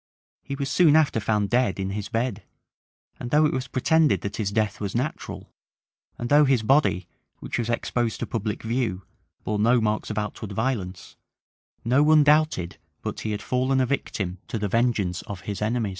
He was soon after found dead in his bed;[] and though it was pretended that his death was natural, and though his body, which was exposed to public view, bore no marks of outward violence, no one doubted but he had fallen a victim to the vengeance of his enemies.